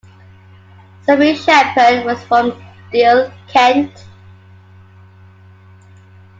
Samuel Shepherd was from Deal, Kent.